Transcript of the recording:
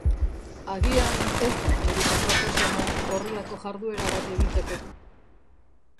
Agian ez da unerik aproposena horrelako jarduera bat egiteko.